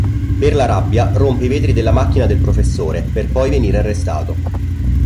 Per la rabbia rompe i vetri della macchina del professore, per poi venire arrestato.